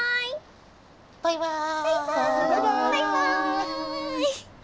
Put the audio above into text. バイバイ！